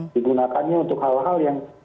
digunakannya untuk hal hal yang